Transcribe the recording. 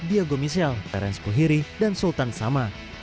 diego michel terence kuhiri dan sultan sama